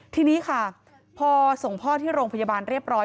ทีนี้ค่ะพอส่งพ่อที่โรงพยาบาลเรียบร้อย